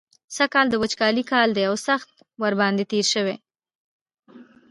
سږکال د وچکالۍ کال دی او سخت ورباندې تېر شوی.